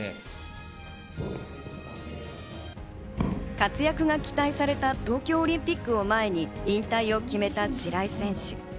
活躍が期待された東京オリンピックを前に引退を決めた白井選手。